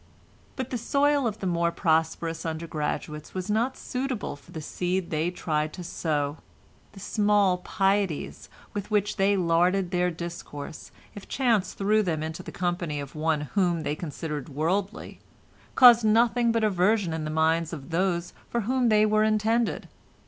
But the soil of the more prosperous undergraduates was not suitable for the seed they tried to sow. The small pieties with which they larded their discourse, if chance threw them into the company of one whom they considered worldly, caused nothing but aversion in the minds of those for whom they were intended.